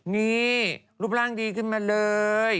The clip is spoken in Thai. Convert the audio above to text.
นี่รูปร่างดีขึ้นมาเลย